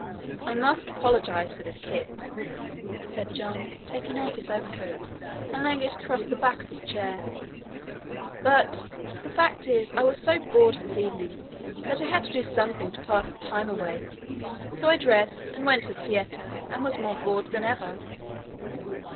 "I must apologize for this kit," said John, taking off his overcoat and laying it across the back of a chair, "but the fact is I was so bored this evening that I had to do something to pass the time away, so I dressed and went to the theatre and was more bored than ever."